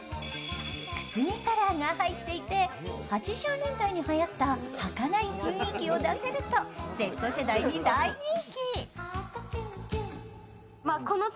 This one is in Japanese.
くすみカラーが入っていて８０年代にはやったはかない雰囲気を出せると、Ｚ世代に大人気。